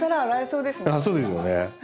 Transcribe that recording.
そうですよね。